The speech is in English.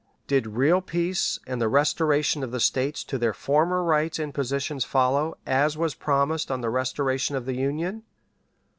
Did real peace and the restoration of the States to their former rights and positions follow, as was promised on the restoration of the Union?